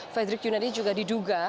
fredrik yunadi juga diduga